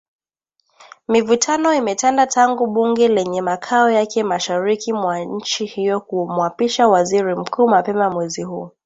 Mivutano imetanda tangu bunge lenye makao yake mashariki mwa nchi hiyo kumwapisha Waziri Mkuu mapema mwezi huu